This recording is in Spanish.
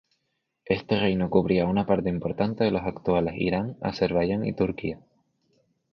Este reino cubría una parte importante de los actuales Irán, Azerbaiyán y Turquía.